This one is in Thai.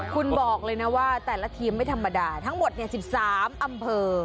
คุณบอกเลยนะว่าแต่ละทีมไม่ธรรมดาทั้งหมด๑๓อำเภอ